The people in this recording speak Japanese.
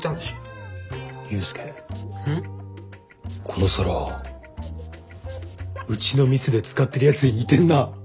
この皿うちの店で使ってるやつに似てんな。